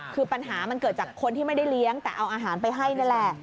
คือปัญหามันเกิดจากคนที่ไม่ได้เลี้ยงแต่เอาอาหารไปให้นั่นแหละ